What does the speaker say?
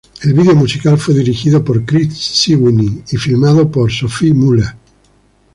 El video musical fue dirigido por Chris Sweeney y filmado por Sophie Muller.